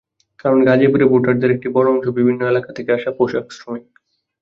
কারণ গাজীপুরে ভোটারদের একটি বড় অংশ বিভিন্ন এলাকা থেকে আসা পোশাকশ্রমিক।